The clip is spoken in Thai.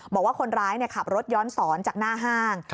บอกว่าคนร้ายขับรถย้อนสอนจากหน้าห้าง